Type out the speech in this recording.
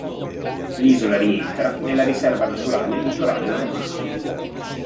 L'isola rientra nella riserva naturale Litorale romano.